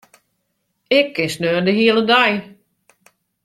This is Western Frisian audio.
Ik kin sneon de hiele dei.